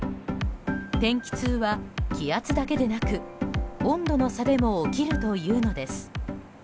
天気痛は気圧だけでなく温度の差でも起きるというのです。